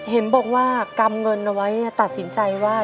เห็นบอกว่ากำเงินเอาไว้ตัดสินใจว่า